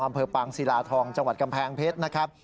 อำเภอปางศิลาทองจังหวัดกำแพงเพชรนะครับ